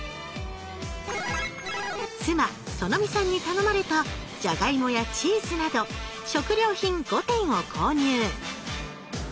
妻苑未さんに頼まれたじゃがいもやチーズなど食料品５点を購入